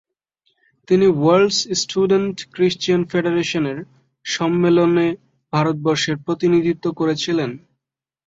তিনি World Students Christian ফেডারেশনের সম্মেলনে ভারতবর্ষের প্রতিনিধিত্ব করেছিলেন।